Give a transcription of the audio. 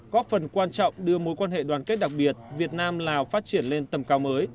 góp phần quan trọng đưa mối quan hệ đoàn kết đặc biệt việt nam lào phát triển lên tầm cao mới